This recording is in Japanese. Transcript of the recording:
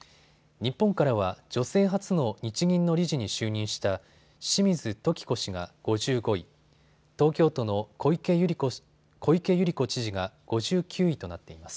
日本からは女性初の日銀の理事に就任した清水季子氏が５５位、東京都の小池百合子知事が５９位となっています。